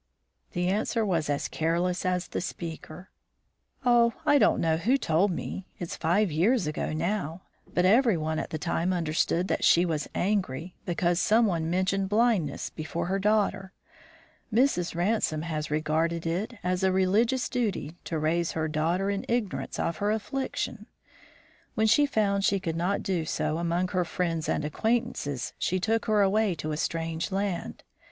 The answer was as careless as the speaker. "Oh, I don't know who told me. It's five years ago now, but every one at the time understood that she was angry, because some one mentioned blindness before her daughter. Mrs. Ransome had regarded it as a religious duty to raise her daughter in ignorance of her affliction. When she found she could not do so among her friends and acquaintances, she took her away to a strange land.